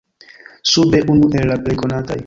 Sube unu el la plej konataj.